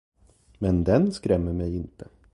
Men den skrämmer mig inte.